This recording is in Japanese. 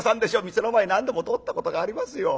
店の前何度も通ったことがありますよ。